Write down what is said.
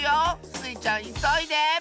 スイちゃんいそいで！